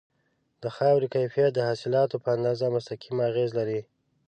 د خاورې کیفیت د حاصلاتو په اندازه مستقیم اغیز لري.